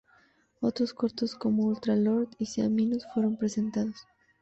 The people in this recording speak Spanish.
Otros cortos como "Ultra Lord" y "Sea Minus" fueron presentados.